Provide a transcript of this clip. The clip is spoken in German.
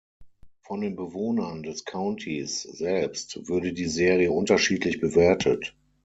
Von den Bewohnern des Countys selbst würde die Serie unterschiedlich bewertet.